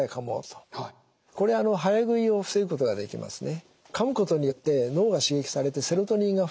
これ早食いを防ぐことができますね。